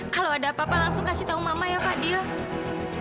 kalau ada apa apa langsung kasih tau mama ya kak dia